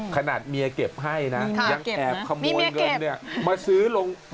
ขนาดเมียเก็บให้นะยังแอบขโมยเงินเนี่ยมาซื้อลง